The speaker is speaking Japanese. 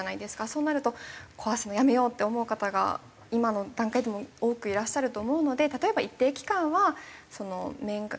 そうなると壊すのやめようって思う方が今の段階でも多くいらっしゃると思うので例えば一定期間は免税。